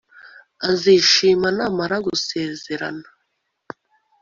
Azishima namara gusezerana